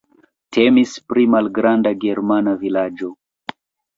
Temis pri malgranda germana vilaĝo.